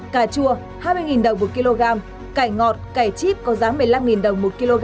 cà chua hai mươi đồng một kg cải ngọt cải chip có giá một mươi năm đồng một kg